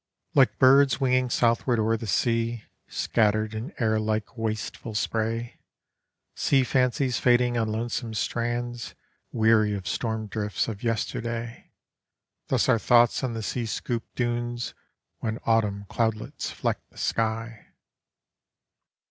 Like birds winging southward o'er the sea Scattered in air like wastex\il spray, Sea fancies fading on lonesome strands Weary of storm drifts of yesterday, Thus our thoughts on the sea scooped dunes When autuan cloudlets fleck the sly.